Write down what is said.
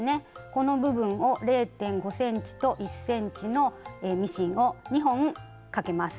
この部分を０．５ｃｍと１ｃｍのミシンを２本かけます。